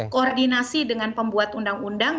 koordinasi dengan pembuat undang undang